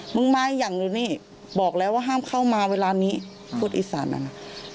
มึงมาให้อย่างดูนี่บอกแล้วว่าห้ามเข้ามาเวลานี้พูดอีสานอ่ะนะ